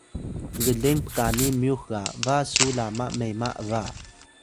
gleng pkani myux ga ba su lama mema ’ba